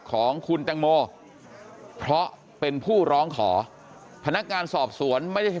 ของคุณแตงโมเพราะเป็นผู้ร้องขอพนักงานสอบสวนไม่ได้เห็น